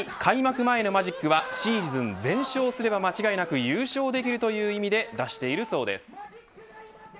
ちなみに開幕前のマジックはシーズン全勝すれば間違いなく優勝できるという意味で出しているそうです。